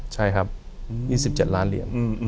ใช่ครับ๒๗ล้านเหรียญ